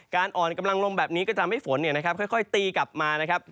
การอ่อนกำลังลงแบบนี้ก็จะทำให้ฝนเนี่ยนะครับค่อยตีกลับมานะครับ